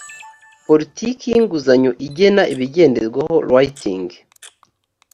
politiki y inguzanyo igena ibigenderwaho writing